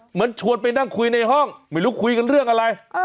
เหมือนชวนไปนั่งคุยในห้องไม่รู้คุยกันเรื่องอะไร